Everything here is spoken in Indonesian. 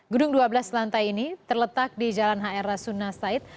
gedung dua belas lantai ini terletak di jalan hr rasuna said